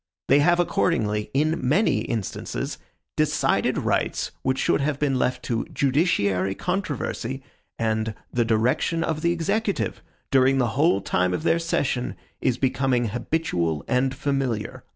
They have accordingly, IN MANY instances, DECIDED RIGHTS which should have been left to JUDICIARY CONTROVERSY, and THE DIRECTION OF THE EXECUTIVE, DURING THE WHOLE TIME OF THEIR SESSION, IS BECOMING HABITUAL AND FAMILIAR."